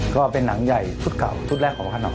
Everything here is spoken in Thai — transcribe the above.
ก็เป็นหนังใหญ่ชุดเก่าชุดแรกของคณะ